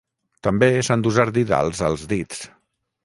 També, s'han d'usar didals als dits.